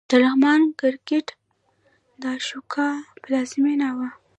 د لغمان کرکټ د اشوکا پلازمېنه وه